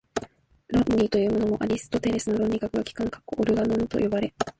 論理というものも、アリストテレスの論理学が「機関」（オルガノン）と呼ばれ、